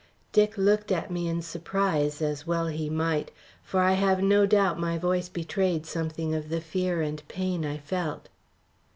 Dick looked at me in surprise, as well he might; for I have no doubt my voice betrayed something of the fear and pain I felt.